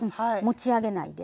持ち上げないで。